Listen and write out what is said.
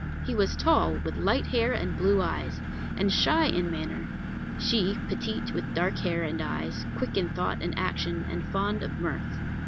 He was tall, with light hair and blue eyes, and shy in manner; she, petite, with dark hair and eyes, quick in thought and action, and fond of mirth.